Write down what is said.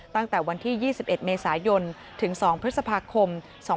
ตั้งแต่วันที่๒๑เมษายนถึง๒พฤษภาคม๒๕๕๙